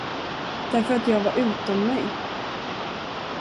Därför att jag var utom mig.